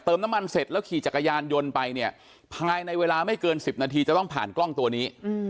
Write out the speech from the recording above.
น้ำมันเสร็จแล้วขี่จักรยานยนต์ไปเนี่ยภายในเวลาไม่เกิน๑๐นาทีจะต้องผ่านกล้องตัวนี้